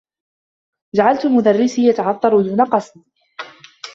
جعلت مدرّسي يتعثّر دون قصد.